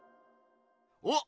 おっ！